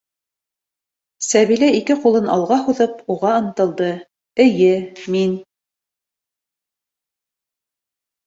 - Сәбилә, ике ҡулын алға һуҙып, уға ынтылды, - эйе, мин...